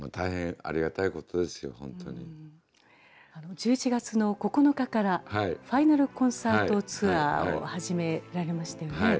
１１月の９日からファイナル・コンサート・ツアーを始められましたよね。